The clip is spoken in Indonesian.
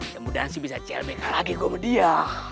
semoga bisa clbk lagi gua sama dia